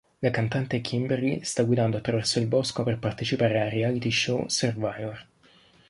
La cantante Kimberly sta guidando attraverso il bosco per partecipare al reality show "Survivor".